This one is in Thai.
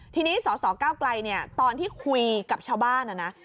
ทีนี้สสเก้าไกลตอนที่คุยกับชาวบ้าน